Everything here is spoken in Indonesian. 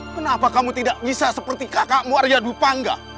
kenapa kamu tidak bisa seperti kakakmu aryadul pangga